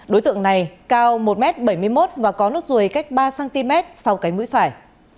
đối tượng này cao một m bảy mươi một và có nốt ruồi cách ba cm sau cánh mũi phải